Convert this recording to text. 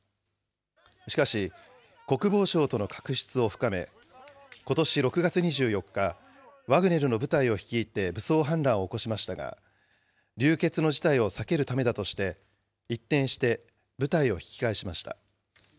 しかし、国防省との確執を深め、ことし６月２４日、ワグネルの部隊を率いて武装反乱を起こしましたが、流血の事態を避けるためだとして、一転して部隊を引き返しました。